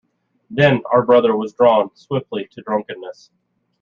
Then our brother was drawn — swiftly — to drunkenness.